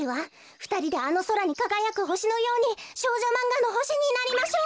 ふたりであのそらにかがやくほしのように少女マンガのほしになりましょう。